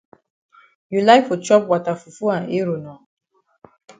You like for chop wata fufu and eru nor?